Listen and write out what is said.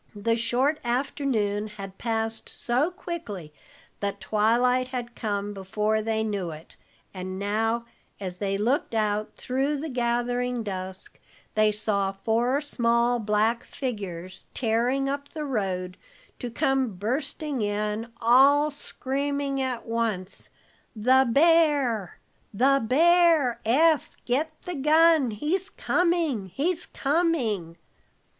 The short afternoon had passed so quickly that twilight had come before they knew it, and now, as they looked out through the gathering dusk, they saw four small black figures tearing up the road, to come bursting in, all screaming at once: "The bear, the bear! Eph, get the gun! He's coming, he's coming!"